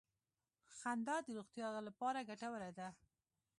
• خندا د روغتیا لپاره ګټوره ده.